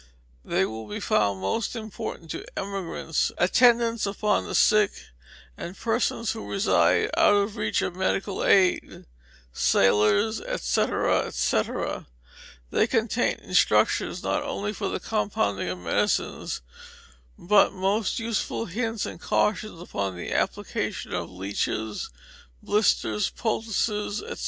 _They will be found most important to emigrants, attendants upon the sick, and persons who reside out of the reach of medical aid, sailors, &c., &c. They contain instructions not only for the compounding of medicines, but most useful hints and cautions upon the application of leeches, blisters, poultices, &c.